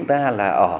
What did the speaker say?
như vậy là chi phí